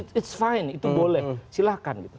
itu it's fine itu boleh silahkan